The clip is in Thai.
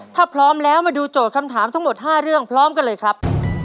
ถ้าพร้อมแล้วมาดูโจทย์คำถามทั้งหมด๕เรื่องพร้อมกันเลยครับ